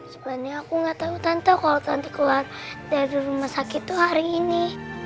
sebenarnya aku nggak tahu tante kalau tante keluar dari rumah sakit tuh hari ini